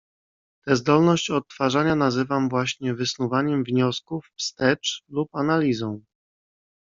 "Te zdolność odtwarzania nazywam właśnie wysnuwaniem wniosków wstecz lub analizą."